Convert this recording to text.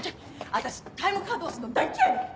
私タイムカード押すの大嫌いなの！